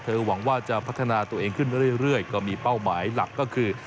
หวังว่าจะพัฒนาตัวเองขึ้นเรื่อยก็มีเป้าหมายหลักก็คือ